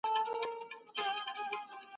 هغه پوهان د سياست په اړه نوې پايلې ترلاسه کوي.